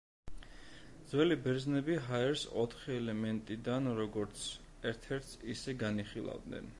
ძველი ბერძნები ჰაერს ოთხი ელემენტიდან როგორც ერთ-ერთს ისე განიხილავდნენ.